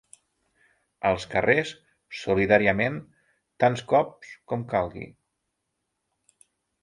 Als carrers, solidàriament, tants cop com calgui.